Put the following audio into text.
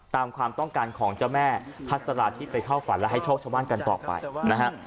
ตามความต้องการของเจ้าแม่พัสลาที่ไปเข้าฝันและให้โชคชาวบ้านกันต่อไปนะฮะ